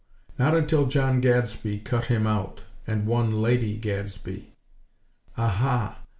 Not until John Gadsby 'cut him out' and won Lady Gadsby." "Aha!!